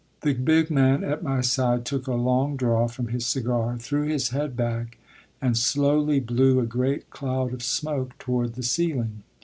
The big man at my side took a long draw from his cigar, threw his head back, and slowly blew a great cloud of smoke toward the ceiling.